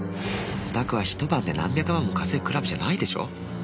お宅はひと晩で何百万も稼ぐクラブじゃないでしょう？